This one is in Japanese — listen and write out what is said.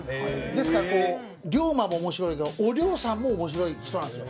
ですからこう龍馬も面白いけどおりょうさんも面白い人なんですよ。